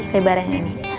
lebarnya yang ini